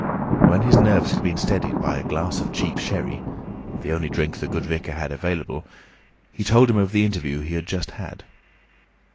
When his nerves had been steadied by a glass of cheap sherry—the only drink the good vicar had available—he told him of the interview he had just had.